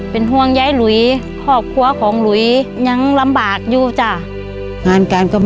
เป็นห่วงใยหลุยครอบครัวน้องหลุยยังลำบากอยู่จ้า